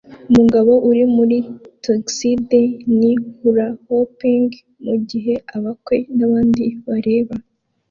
Umugabo uri muri tuxedo ni hula-hooping mugihe abakwe nabandi bareba